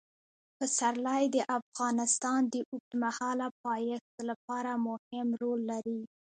پسرلی د افغانستان د اوږدمهاله پایښت لپاره مهم رول لري.